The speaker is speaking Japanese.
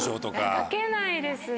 書けないですね